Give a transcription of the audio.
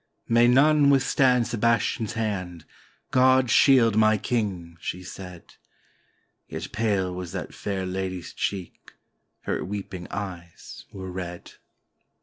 "May none withstand Sebastian's hand, — God shield my King!" she said; Yet pale was that fair Lady's cheek, her weeping eyes were red.